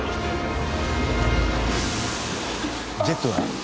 ジェットだ。